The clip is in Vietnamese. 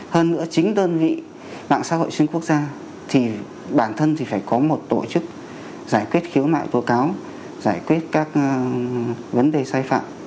hơn nữa chính đơn vị mạng xã hội xuyên quốc gia thì bản thân thì phải có một tổ chức giải quyết khiếu nại tố cáo giải quyết các vấn đề sai phạm